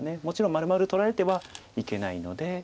もちろんまるまる取られてはいけないので。